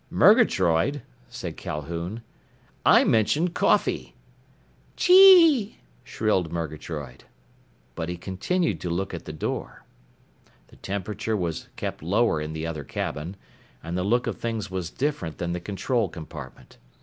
"Murgatroyd," said Calhoun. "I mentioned coffee!" "Chee!" shrilled Murgatroyd. But he continued to look at the door. The temperature was kept lower in the other cabin, and the look of things was different than the control compartment.